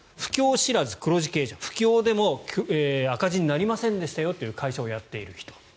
知らず黒字経営者不況でも赤字になりませんでしたよという会社をやっている人。